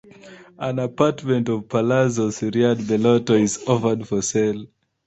An apartment of Palazzo Surian Bellotto is offered for sale.